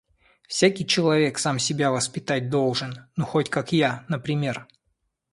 Всякий человек сам себя воспитать должен - ну хоть как я, например...